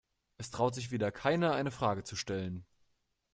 Es traut sich wieder keiner, eine Frage zu stellen.